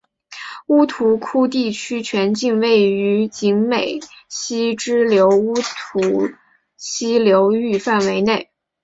乌涂窟地区全境位于景美溪支流乌涂溪流域范围内。